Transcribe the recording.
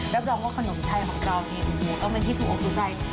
รับรองว่าขนมไทยของเรามีอุโมก็เป็นที่สูงองค์สุดใจ